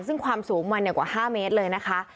ซึ่งความสูงมันกว่า๕เมตรเลยนะคะ